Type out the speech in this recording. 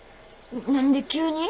何で急に？